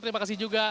terima kasih juga